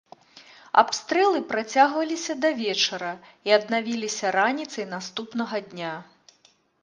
Абстрэлы працягвалася да вечара і аднавілася раніцай наступнага дня.